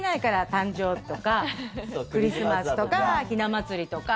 誕生日とかクリスマスとかひな祭りとか。